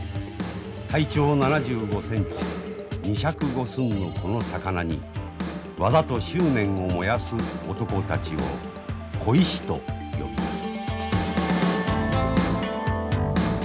体長７５センチ２尺５寸のこの魚に技と執念を燃やす男たちを鯉師と呼びます。